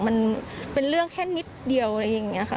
มันเป็นเรื่องแค่นิดเดียวอะไรอย่างนี้ค่ะ